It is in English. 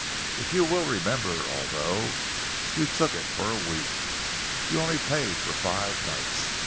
If you will remember, although you took it for a week, you only paid for five nights.